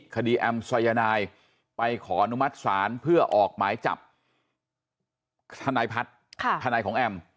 แอมสายนายไปขออนุมัติศาลเพื่อออกหมายจับทนายพัฒน์ทนายของแอม